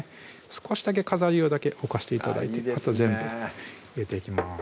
少しだけ飾り用だけ置かして頂いてあと全部入れていきます